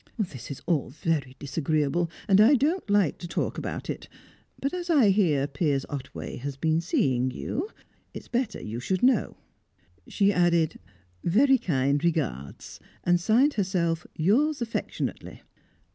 This is all very disagreeable, and I don't like to talk about it, but as I hear Piers Otway has been seeing you, it's better you should know." She added "very kind regards," and signed herself "yours affectionately."